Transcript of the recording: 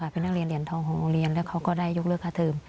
เป็นนักเรียนเหรียญทองของโรงเรียนแล้วเขาก็ได้ยกเลิกค่าเทิม